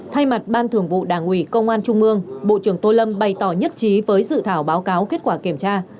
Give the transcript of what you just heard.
thay mặt ban thường vụ đảng ủy công an trung ương bộ trưởng tô lâm bày tỏ nhất trí với dự thảo báo cáo kết quả kiểm tra